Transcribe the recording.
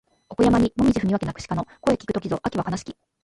奥山にもみぢ踏み分け鳴く鹿の声聞く時ぞ秋は悲しき